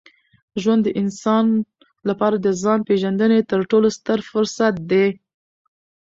ژوند د انسان لپاره د ځان پېژندني تر ټولو ستر فرصت دی.